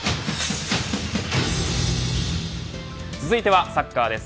続いてはサッカーです。